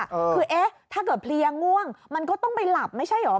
คือเอ๊ะถ้าเกิดเพลียง่วงมันก็ต้องไปหลับไม่ใช่เหรอ